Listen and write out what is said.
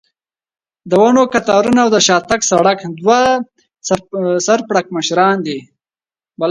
د ونو کتارونه او د شاتګ سړک، دوه سر پړکمشران.